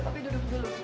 papi duduk dulu